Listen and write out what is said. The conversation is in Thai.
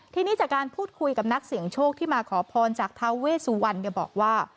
ทีนี้จากการพูดคุยกับนักเสี่ยงโชคที่มาขอพรจากทาเวสุวรรณบอกว่า